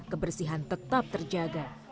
kebersihan tetap terjaga